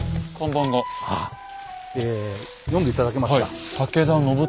読んで頂けますか？